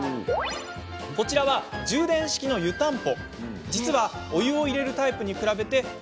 こちらは充電式の湯たんぽ。